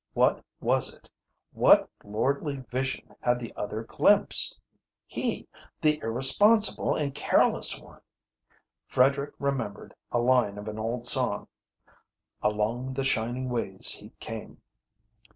What was it? What lordly vision had the other glimpsed? he, the irresponsible and careless one? Frederick remembered a line of an old song "Along the shining ways he came."